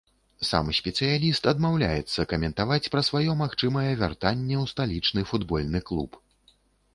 Сам спецыяліст адмаўляецца каментаваць пра сваё магчымае вяртанне ў сталічны футбольны клуб.